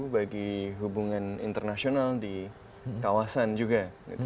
bagi hubungan internasional di kawasan juga